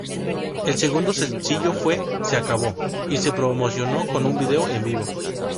El segundo sencillo fue "Se Acabó" y se promocionó con un vídeo en vivo.